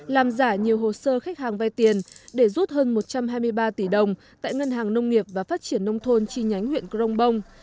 làm giả nhiều hồ sơ khách hàng vay tiền để rút hơn một trăm hai mươi ba tỷ đồng tại ngân hàng nông nghiệp và phát triển nông thôn chi nhánh huyện crong bông